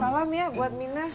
salam ya buat minah